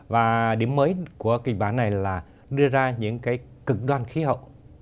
và điểm mới của kịch bản này là đưa ra những cái cực đoan khí hậu